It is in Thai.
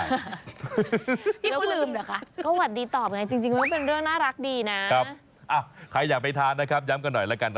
อ่ะใครอยากไปทานนะครับย้ำกันหน่อยแล้วกัน